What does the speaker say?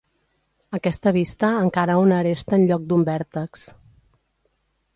Aquesta vista encara una aresta en lloc d’un vèrtex.